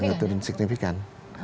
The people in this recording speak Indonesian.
sangat turun signifikan